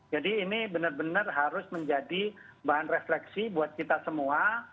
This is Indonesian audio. jadi ini benar benar harus menjadi bahan refleksi buat kita semua